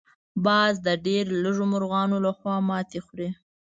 باز د ډېر لږو مرغانو لخوا ماتې خوري